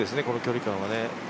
この距離感は。